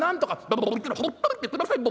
「だからほっといてください。